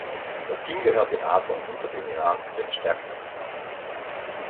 Das Team gehört in Asien hinter dem Iran zu den stärksten Teams.